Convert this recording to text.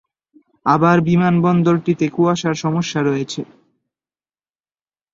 আবার বিমানবন্দরটিতে কুয়াশার সমস্যা রয়েছে।